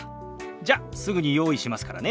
じゃすぐに用意しますからね。